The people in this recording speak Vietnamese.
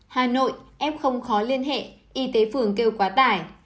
hà nội f không khó liên hệ y tế phường kêu quá tải